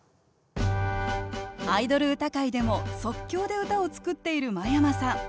アイドル歌会でも即興で歌を作っている真山さん。